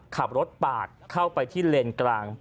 ขับรถปาดเข้าไปที่เลนกลาง